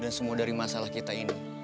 dan semua dari masalah kita ini